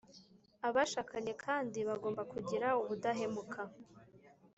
abashakanye kandi bagomba kugira ubudahemuka